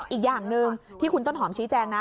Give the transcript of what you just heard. อีกอย่างหนึ่งที่คุณต้นหอมชี้แจงนะ